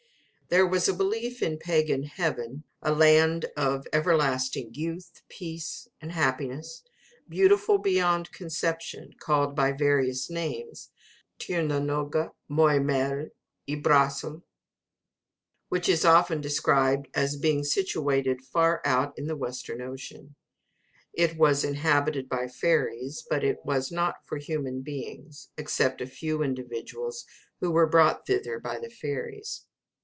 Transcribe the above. There was a belief in a pagan heaven, a land of everlasting youth, peace, and happiness, beautiful beyond conception, called by various names, such as Teernanoge, Moy Mell, I Brassil, etc., which is often described as being situated far out in the Western Ocean. It was inhabited by fairies, but it was not for human beings, except a few individuals who were brought thither by the fairies.